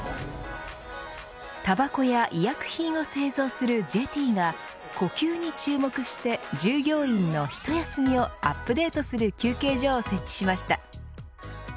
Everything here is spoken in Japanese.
たばこや医薬品を製造するＪＴが呼吸に注目して従業員のひと休みをアップデートする休憩所を設置しました。